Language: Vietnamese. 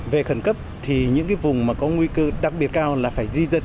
về khẩn cấp thì những cái vùng mà có nguy cơ đặc biệt cao là phải di dân